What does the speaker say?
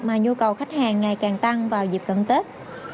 mà nhu cầu khách hàng ngày càng tăng vào dịp cận tết